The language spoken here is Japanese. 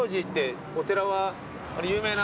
有名な。